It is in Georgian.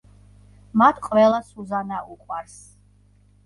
მათ ყველას სუზანა უყვარს.